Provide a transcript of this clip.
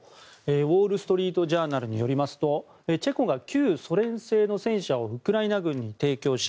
ウォール・ストリート・ジャーナルによりますとチェコが旧ソ連製の戦車をウクライナ軍に提供し